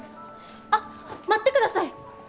あっ待ってください！